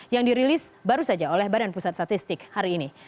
yang dirilis baru saja oleh badan pusat statistik hari ini